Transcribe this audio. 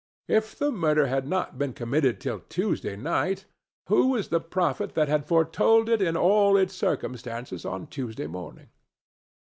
If the murder had not been committed till Tuesday night, who was the prophet that had foretold it in all its circumstances on Tuesday morning?